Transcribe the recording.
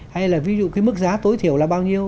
hay là ví dụ cái mức giá tối thiểu là bao nhiêu